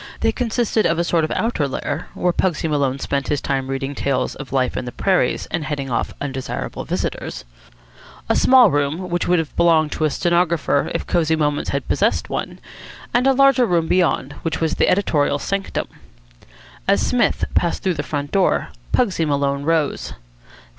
They consisted of a sort of outer lair, where Pugsy Maloney spent his time reading tales of life in the prairies and heading off undesirable visitors; a small room, which would have belonged to the stenographer if Cosy Moments had possessed one; and a larger room beyond, which was the editorial sanctum. As Psmith passed through the front door, Pugsy Maloney rose.